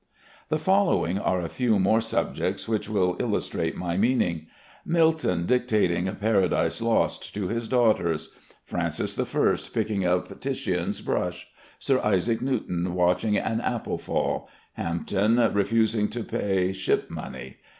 The following are a few more subjects which will illustrate my meaning: "Milton Dictating 'Paradise Lost' to his Daughters"; "Francis I Picking up Titian's Brush"; "Sir Isaac Newton Watching an Apple Fall"; "Hampden Refusing to Pay Ship money."